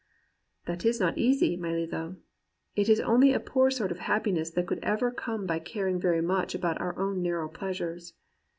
*" 'That is not easy, my Lillo. It is only a poor sort of happiness that could ever come by caring very much about our own narrow pleasures.